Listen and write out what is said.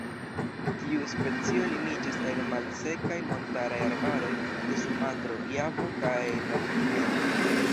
Tiu specio limiĝas en malsekaj montaraj arbaroj de Sumatro, Javo kaj Novgvineo.